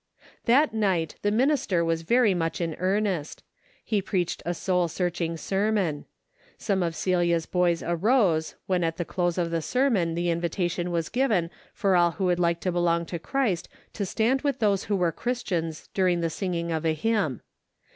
That night the minister was very much in earnest. He preached a soul searching ser mon. Some of Celia's boys arose, when at the close of the sermon the invitation was given for all who would like to belong to Christ to stand with those who were Christians during 308 A DAILY BATE.' the singing of a hymn.